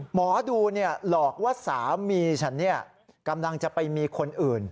หมอดูหลอกว่าสามีฉันกำลังจะไปมีคนอื่น